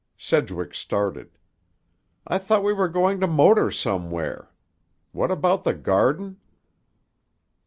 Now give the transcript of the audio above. Sedgwick started. "I thought we were going to motor somewhere. What about the garden?"